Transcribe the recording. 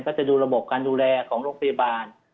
จะดูระบบการดูแลของโรงพยาบาล